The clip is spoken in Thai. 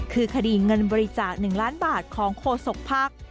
คือคดีเงินบริจาค๑ล้านบาทของโฆษกภักดิ์